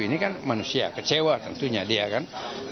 ini kan manusia kecewa tentunya dia kan